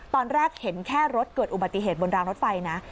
ตอนแรกเห็นแค่รถเกิดอุบัติเหตุบนรางรถไฟนะ